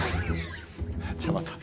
じゃあまた！